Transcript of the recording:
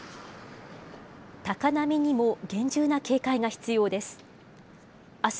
高波にも厳重な警戒が必要です。